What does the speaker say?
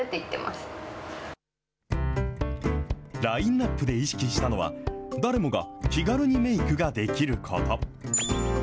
ラインナップで意識したのは、誰もが気軽にメークができること。